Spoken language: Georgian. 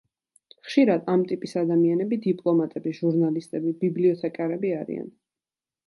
ხშირად ამ ტიპის ადამიანები დიპლომატები, ჟურნალისტები, ბიბლიოთეკარები არიან.